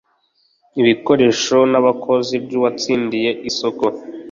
ibikoresho n abakozi by uwatsindiye isoko